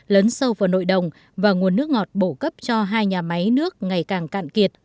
lớn sâu vào nội đồng và nguồn nước ngọt bổ cấp cho hai nhà máy nước ngày càng cạn kiệt